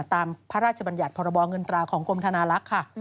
พระราชบัญญัติพรบเงินตราของกรมธนาลักษณ์ค่ะ